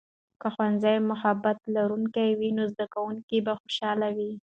که ښوونځی محبت لرونکی وي، نو زده کوونکي به خوشاله وي.